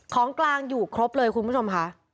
ของกลางอยู่ครบเลยคุณผู้ชมค่ะ